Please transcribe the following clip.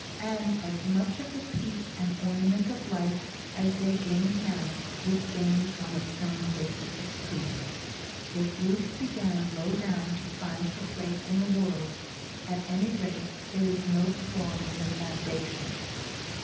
And as much of the peace and ornament of life as they gained now, was gained on a firm basis of truth. If Ruth began low down to find her place in the world, at any rate there was no flaw in the foundation.